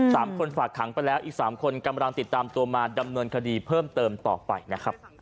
สามคนฝากขังไปแล้วอีกสามคนกำลังติดตามตัวมาดำเนินคดีเพิ่มเติมต่อไปนะครับ